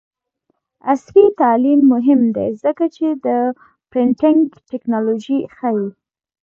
عصري تعلیم مهم دی ځکه چې د پرنټینګ ټیکنالوژي ښيي.